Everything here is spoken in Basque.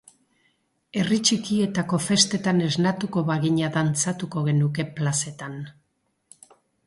Herri txikietako festetan esnatuko bagina dantzatuko genuke plazetan.